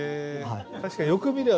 確かによく見れば。